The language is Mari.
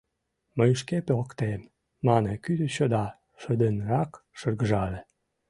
— Мый шке поктем, — мане кӱтӱчӧ да шыдынрак шыргыжале.